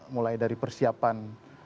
mulai dari persiapan